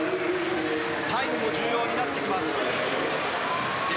タイムも重要になってきます。